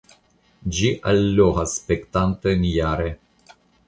Ĝi allogas spektantojn jare.